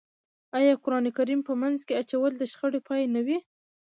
آیا قرآن کریم په منځ کې اچول د شخړې پای نه وي؟